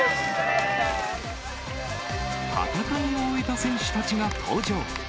戦いを終えた選手たちが登場。